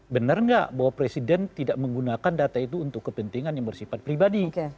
benar nggak bahwa presiden tidak menggunakan data itu untuk kepentingan yang bersifat pribadi